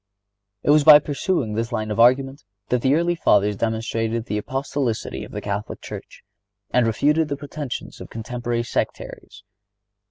It was by pursuing this line of argument that the early Fathers demonstrated the Apostolicity of the Catholic Church, and refuted the pretensions of contemporary sectaries.